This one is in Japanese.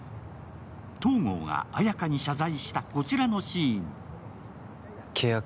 東郷が綾華に謝罪したこちらのシーン。